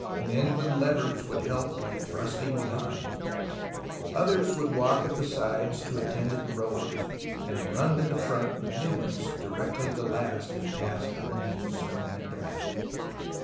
Men with levers would help by thrusting behind ; others would walk at the sides to attend to the rollers, and run to the front with new ones directly the last had passed underneath the stone at the back.